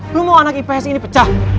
lu mau anak ips ini pecah